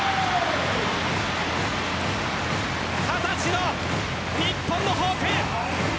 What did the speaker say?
２０歳の日本のホープ。